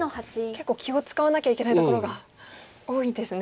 結構気を使わなきゃいけないところが多いですね。